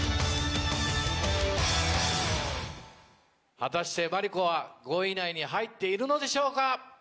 果たしてｍａｒｉｋｏは５位以内に入っているのでしょうか？